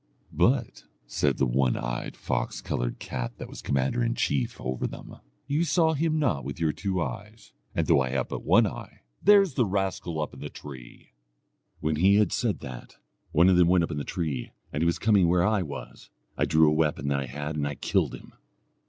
'But,' said the one eyed fox coloured cat that was commander in chief over them, 'you saw him not with your two eyes, and though I have but one eye, there's the rascal up in the tree.' When he had said that, one of them went up in the tree, and as he was coming where I was, I drew a weapon that I had and I killed him.